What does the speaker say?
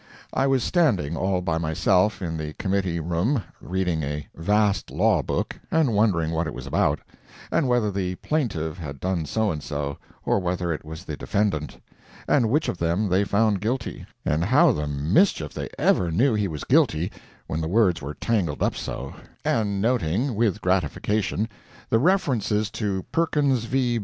I was standing, all by myself, in the Committee room, reading a vast law book, and wondering what it was about; and whether the plaintiff had done so and so, or whether it was the defendant; and which of them they found guilty; and how the mischief they ever knew he was guilty when the words were tangled up so; and noting, with gratification, the references to Perkins v.